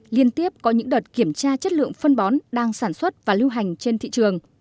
liên tiếp có những đợt kiểm tra chất lượng phân bón đang sản xuất và lưu hành trên thị trường